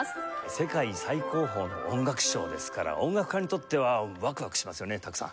世界最高峰の音楽賞ですから音楽家にとってはワクワクしますよね多久さん。